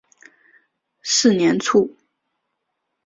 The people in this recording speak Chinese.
四年卒。